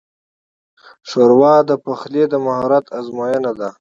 ښوروا د پخلي د مهارت ازموینه ده.